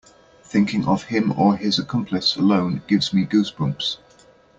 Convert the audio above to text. Thinking of him or his accomplice alone gives me goose bumps.